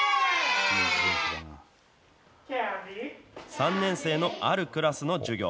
３年生のあるクラスの授業。